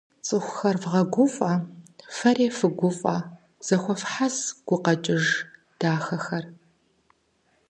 Цӏыхур вгъэгуфӏэ, фэри фыгуфӏэ зэхуэфхьэс гукъэкӏыж дахэхэр.